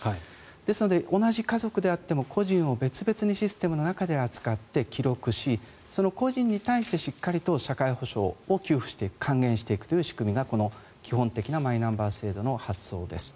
ですので、同じ家族であっても個人を別々にシステムの中で扱って記録し、その個人に対してしっかりと社会保障を給付していく還元していく仕組みが基本的なマイナンバー制度の発想です。